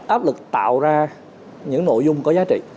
áp lực tạo ra những nội dung có giá trị